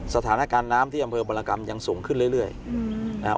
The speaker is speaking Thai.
สถานการณ์น้ำที่อำเภอบรกรรมยังสูงขึ้นเรื่อยนะครับ